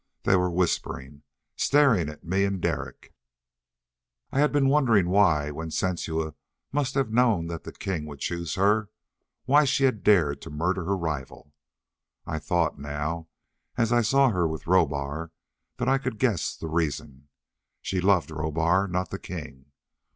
They were whispering, staring at me and Derek. I had been wondering why, when Sensua must have known that the king would choose her why she had dared to murder her rival. I thought now as I saw her with Rohbar that I could guess the reason. She loved Rohbar, not the king.